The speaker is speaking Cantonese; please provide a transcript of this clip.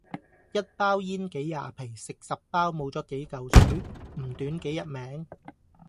一包煙幾廿皮，食十包，冇左幾舊水，唔短幾日命?